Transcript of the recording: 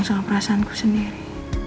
saya mau kita selamanya bersama dino